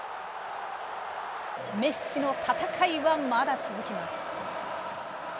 メッシの戦いは、まだ続きます。